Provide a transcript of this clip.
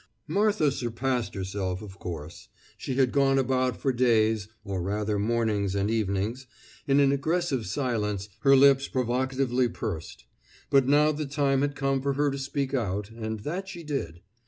Martha surpassed herself, of course; she had gone about for days (or rather mornings and evenings) in an aggressive silence, her lips provocatively pursed; but now the time had come for her to speak out, and that she did.